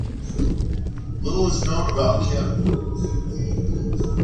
Little is known about Kim.